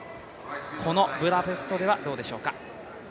このブダペストではどうでしょうか。